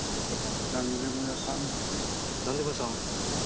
何でも屋さん。